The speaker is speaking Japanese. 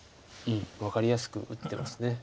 分かりやすく打ってます。